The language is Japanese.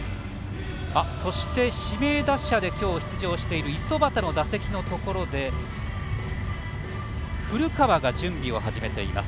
そして、指名打者で今日、出場している五十幡の打席のところで古川が準備を始めています。